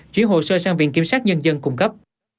chuyển hồ sơ sang viện kiểm sát nhân dân cung cấp